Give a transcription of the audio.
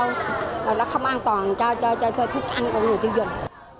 rồi nó không an toàn cho thức ăn của người tiêu dùng